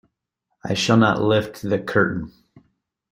I shall not lift the curtain'.